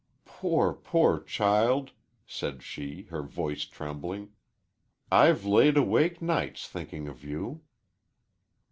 "Poor, poor child!" said she, her voice trembling. "I've laid awake nights thinkin' of you."